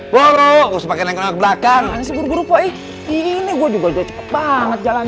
baru semakin berdekat seburuk ini gua juga cukup banget jalan